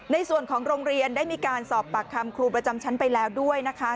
ในส่วนของโรงเรียนได้มีการสอบปากคำครูประจำชั้นไปแล้วด้วยนะคะ